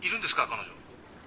彼女。